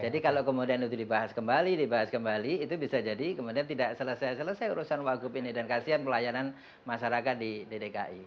jadi kalau kemudian itu dibahas kembali dibahas kembali itu bisa jadi kemudian tidak selesai selesai urusan wakup ini dan kasihan pelayanan masyarakat di dki